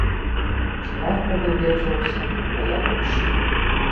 Штраф прадугледжваўся ўдвая большы.